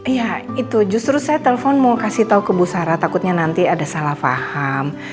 ya itu justru saya telpon mau kasih tahu ke bu sarah takutnya nanti ada salah faham